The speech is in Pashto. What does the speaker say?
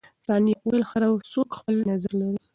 ثانیه وویل، هر څوک خپل نظر لري.